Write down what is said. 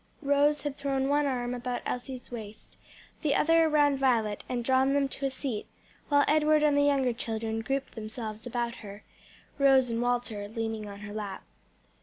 Rose had thrown one arm about Elsie's waist, the other round Violet, and drawn them to a seat, while Edward and the younger children grouped themselves about her, Rose and Walter leaning on her lap.